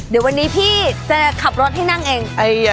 เดี๋ยววันนี้พี่จะขับรถให้นั่งเอง